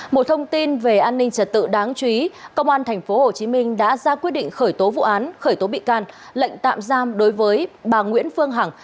một thông tin về an ninh trật tự đáng chú ý công an tp hcm đã ra quyết định khởi tố vụ án khởi tố bị can lệnh tạm giam đối với bà nguyễn phương hằng